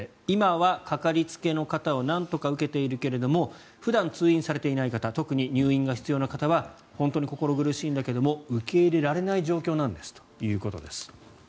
今はかかりつけの方をなんとか受けているけれども普段通院されていない方特に入院が必要な方は本当に心苦しいんだけども受け入れられない状況だということです。